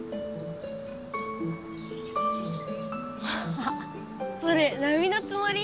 ハハハそれなみのつもり？